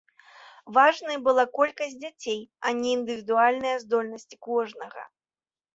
Важнай была колькасць дзяцей, а не індывідуальныя здольнасці кожнага.